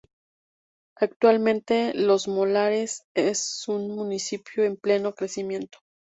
Actualmente Los Molares es un municipio en pleno crecimiento.